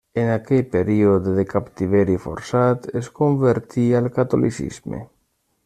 En aquell període de captiveri forçat es convertí al catolicisme.